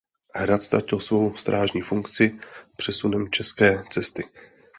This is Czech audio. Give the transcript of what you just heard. Hrad ztratil svou strážní funkci přesunem České cesty.